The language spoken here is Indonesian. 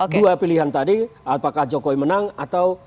dua pilihan tadi apakah jokowi menang atau